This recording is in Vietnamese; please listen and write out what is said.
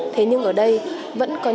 thế nhưng ở đây vẫn có những